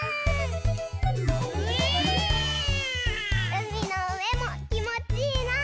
うみのうえもきもちいいな。